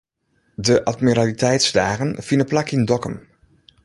De admiraliteitsdagen fine plak yn Dokkum.